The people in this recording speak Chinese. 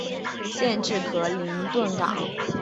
县治克林顿港。